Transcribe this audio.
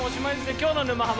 今日の「沼ハマ」